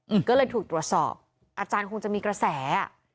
อืมก็เลยถูกตรวจสอบอาจารย์คงจะมีกระแสอ่ะ